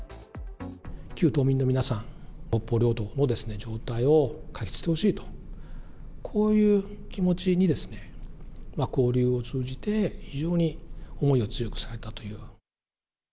旧島民の皆さん、北方領土の状態を解決してほしいと、こういう気持ちに交流を通じて、非常に思いを強くされたという。